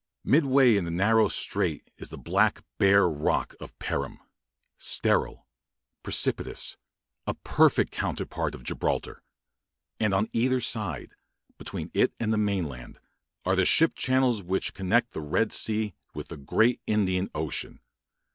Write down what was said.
Midway in the narrow strait is the black, bare rock of Perim, sterile, precipitous, a perfect counterpart of Gibraltar; and on either side, between it and the mainland, are the ship channels which connect the Red Sea with the great Indian Ocean.